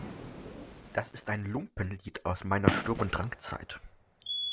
Das ist ein Lumpenlied aus meiner Sturm- und Drangzeit.